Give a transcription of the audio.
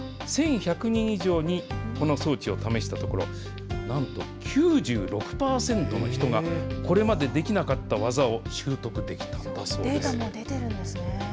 １１００人以上にこの装置を試したところ、なんと９６％の人がこれまでできなかった技を習得できたんだそうデータも出てるんですね。